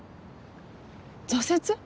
挫折？